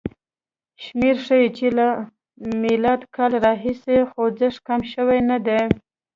شمېرې ښيي چې له م کال راهیسې خوځښت کم شوی نه دی.